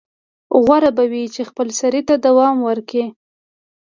غوره به وي چې خپلسرۍ ته دوام ورکړي.